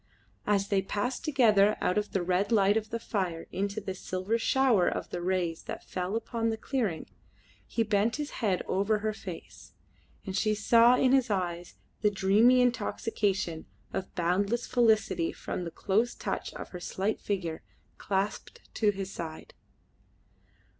As they passed together out of the red light of the fire into the silver shower of rays that fell upon the clearing he bent his head over her face, and she saw in his eyes the dreamy intoxication of boundless felicity from the close touch of her slight figure clasped to his side.